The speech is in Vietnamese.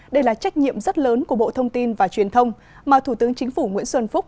đây là trách nhiệm rất lớn của bộ thông tin và truyền thông mà thủ tướng chính phủ nguyễn xuân phúc